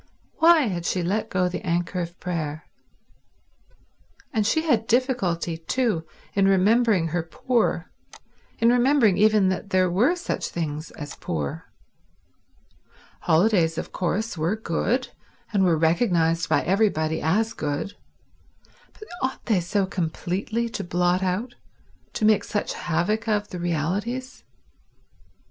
Why had she let go the anchor of prayer? And she had difficulty, too, in remembering her poor, in remembering even that there were such things as poor. Holidays, of course, were good, and were recognized by everybody as good, but ought they so completely to blot out, to make such havoc of, the realities?